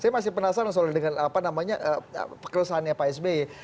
saya masih penasaran soal dengan apa namanya kekerasan ya pak sby